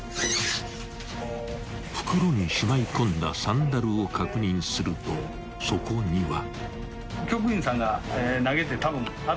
［袋にしまい込んだサンダルを確認するとそこには］